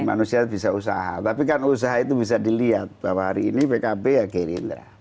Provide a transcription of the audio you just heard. manusia bisa usaha tapi kan usaha itu bisa dilihat bahwa hari ini pkb ya gerindra